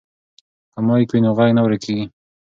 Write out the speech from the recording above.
که مایک وي نو غږ نه ورکیږي.